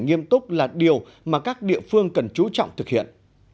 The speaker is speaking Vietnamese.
nghiêm túc là điều mà các địa phương cần chú trọng thực hiện